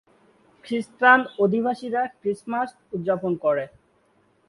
খ্রিস্টান অধিবাসীরা ক্রিসমাস উদযাপন করে।